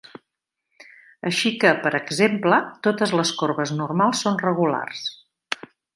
Així que, per exemple, totes les corbes normals són regulars.